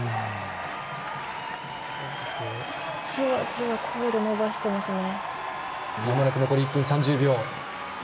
じわじわ高度伸ばしていますね。